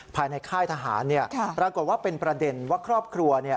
ภายในค่ายทหารปรากฏว่าเป็นประเด็นว่าครอบครัว